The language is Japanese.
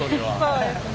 そうですね。